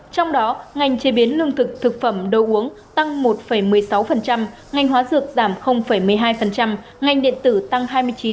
trong đó ngành chế biến lương thực thực phẩm đồ uống tăng một một mươi sáu ngành hóa dược giảm một mươi hai ngành điện tử tăng hai mươi chín